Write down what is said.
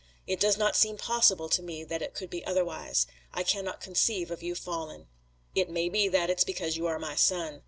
It does not seem possible to me that it could be otherwise. I cannot conceive of you fallen. It may be that it's because you are my son.